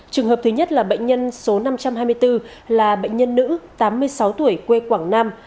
trường hợp thứ nhất là bệnh nhân số năm trăm hai mươi bốn là bệnh nhân nữ tám mươi sáu tuổi quê quảng nam